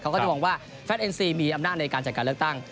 เขาก็จะมองว่าแฟทเอ็นซีมีอำนาจในการจัดการเลือกตั้ง